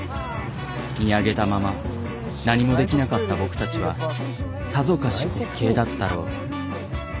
見上げたまま何もできなかった僕たちはさぞかし滑稽だったろう。